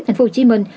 thành phố hồ chí minh